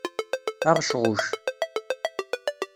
Aɣecɣuc.